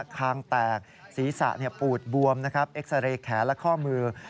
คางแตกศีรษะปูดบวมนะครับเอ็กซาเรย์แขนและข้อมือ